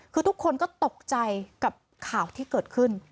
คือทุกคนก็ตกใจกับข่าวที่เกิดขึ้น